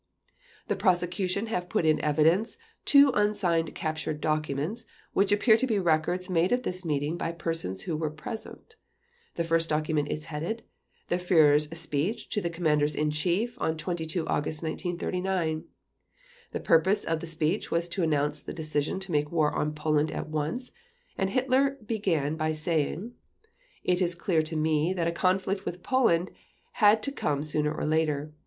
The Prosecution have put in evidence two unsigned captured documents which appear to be records made of this meeting by persons who were present. The first document is headed: "The Führer's Speech to the Commanders in Chief on 22 August 1939." The purpose of the speech was to announce the decision to make war on Poland at once, and Hitler began by saying: "It was clear to me that a conflict with Poland had to come sooner or later.